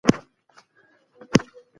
که ته وخت لرې کتاب ولوله.